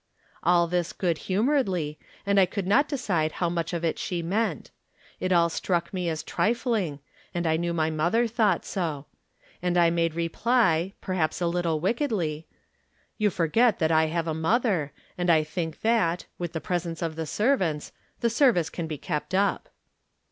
All this good humoredly, and I could not de cide how much of it she meant. It all struck me as trifling, and I knew my mother thought so. And I made reply, perhaps a little wickedly :" You forget that I have a mother ; and I think that, with the presence of the servants, the service can be kept up."